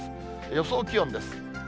予想気温です。